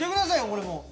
これもう。